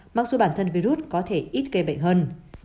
mặc dù bản thân virus có thể ít gây bệnh hơn